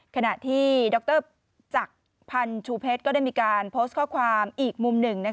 ขณะที่ดรจักรพันธ์ชูเพชรก็ได้มีการโพสต์ข้อความอีกมุมหนึ่ง